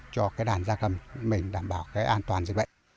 cho đàn gia cầm mình đảm bảo an toàn dịch bệnh